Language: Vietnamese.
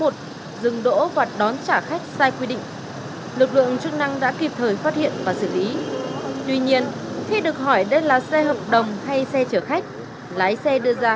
tuyến phố quang trung